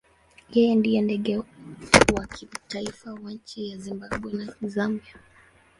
Yeye ndiye ndege wa kitaifa wa nchi za Zimbabwe na Zambia.